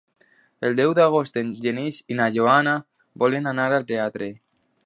El deu d'agost en Genís i na Joana volen anar al teatre.